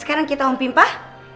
sekarang kita ompimpah